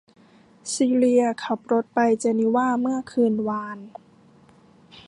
ซีเลียขับรถไปเจนีวาเมื่อคืนวาน